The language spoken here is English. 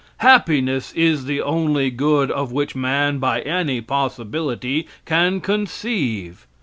Happiness is the only good of which man by any possibility can conceive.